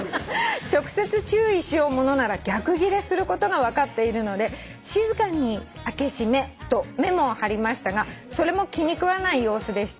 「直接注意しようものなら逆ギレすることが分かっているので『静かに開け閉め』とメモを張りましたがそれも気に食わない様子でした」